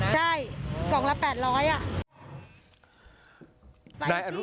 ใช่กล่องละ๘๐๐อ่ะ